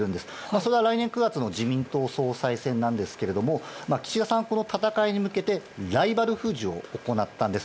それは来年９月の自民党総裁選なんですけれども岸田さんはこの戦いに向けてライバル封じを行ったんです。